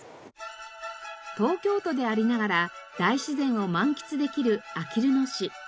東京都でありながら大自然を満喫できるあきる野市。